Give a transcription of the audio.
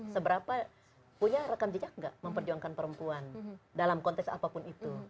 seberapa punya rekam jejak nggak memperjuangkan perempuan dalam konteks apapun itu